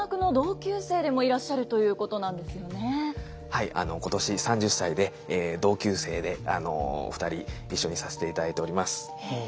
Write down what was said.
はい今年３０歳で同級生で２人一緒にさせていただいております。